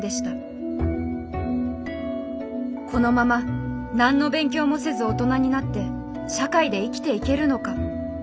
「このまま何の勉強もせず大人になって社会で生きていけるのか」。